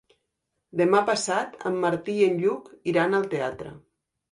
Demà passat en Martí i en Lluc iran al teatre.